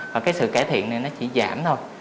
và cái sự cải thiện này nó chỉ giảm thôi